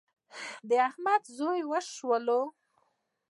د احمد زوی ووژل شو.